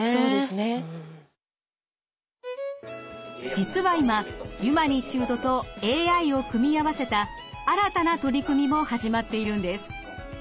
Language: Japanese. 実は今ユマニチュードとＡＩを組み合わせた新たな取り組みも始まっているんです。